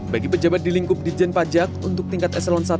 bagi pejabat di lingkup dijen pajak untuk tingkat eselon satu